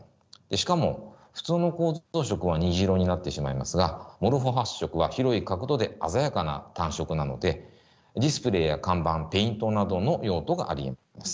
しかも普通の構造色は虹色になってしまいますがモルフォ発色は広い角度で鮮やかな単色なのでディスプレーや看板ペイントなどの用途がありえます。